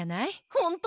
ほんと？